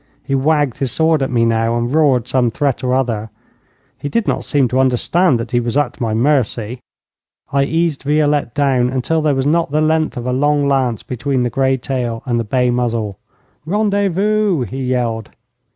He wagged his sword at me now and roared some threat or other. He did not seem to understand that he was at my mercy. I eased Violette down until there was not the length of a long lance between the grey tail and the bay muzzle. 'Rendez vous!' he yelled.